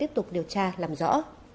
tiếp tục điều tra làm rõ